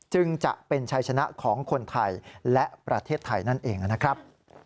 จึงจะเป็นชัยชนะของคนไทยและประเทศไทยนั่นเองนะครับ